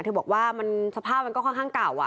เธอบอกว่าสภาพมันก็ค่อนข้างเก่า